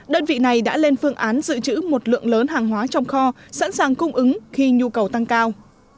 đơn vị này đã lên phương án dự trữ một lượng lớn hàng hóa trong kho sẵn sàng cung ứng khi nhu cầu tăng cao